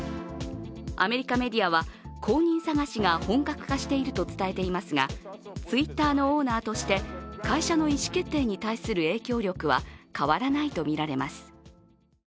アメリカメディアは後任探しが本格化していると伝えていますがＴｗｉｔｔｅｒのオーナーとして会社の意思決定に対する影響力は変わらないとみられます。